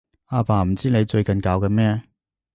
阿爸唔知你最近搞緊咩